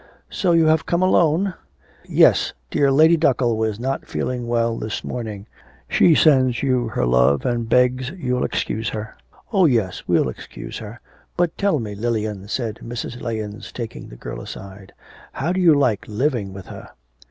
'So you have come alone?' 'Yes, dear Lady Duckle was not feeling well this morning; she sends you her love, and begs you'll excuse her.' 'Oh yes, we'll excuse her. But tell me, Lilian,' said Mrs. Lahens, taking the girl aside, 'how do you like living with her?'